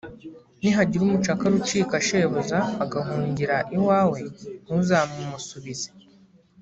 nihagira umucakara ucika shebuja, agahungira iwawe, ntuzamumusubize;